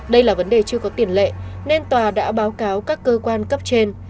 đây là vấn đề chưa có tiền lệ nên tòa đã báo cáo các cơ quan cấp trên